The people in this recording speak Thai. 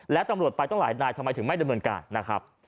และตำรวจไปต้องหลายนายทำไมถึงไม่ดำเนินการนะครับ